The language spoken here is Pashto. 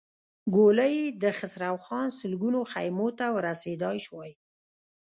ګولۍ يې د خسروخان سلګونو خيمو ته ور رسېدای شوای.